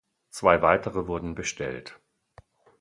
Zwei weitere wurden bestellt.